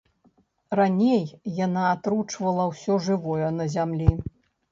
Раней яна атручвала ўсё жывое на зямлі.